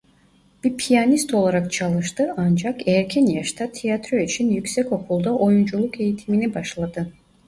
Bir piyanist olarak çalıştı ancak erken yaşta tiyatro için yüksek okulda oyunculuk eğitimine başladı.